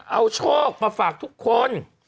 เอาโชคมาฝากทุกคน